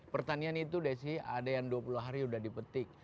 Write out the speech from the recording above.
pertanian itu desi ada yang dua puluh hari sudah dipetik